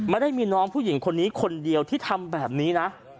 ไม่ได้มีน้องผู้หญิงคนนี้คนเดียวที่ทำแบบนี้นะ